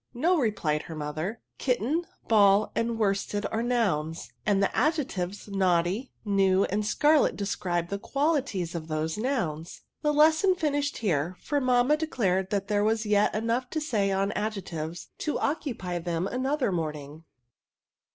No," repKed her mother, " kitten, ball, and worsted are nouns, and the adjectives naughty, new, and scarlet, describe the qualities of those nouns." The lesson finished here ; for mamma de clared that there was yet enough to say on adjectives to occupy them ianother morning.